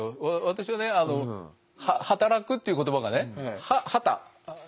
私はね「働く」っていう言葉がね「傍」